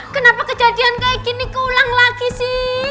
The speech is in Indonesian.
kenapa kejadian kayak gini keulang lagi sih